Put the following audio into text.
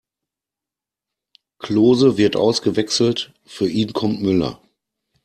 Klose wird ausgewechselt, für ihn kommt Müller.